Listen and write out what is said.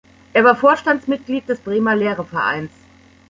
Er war Vorstandsmitglied des Bremer Lehrervereins.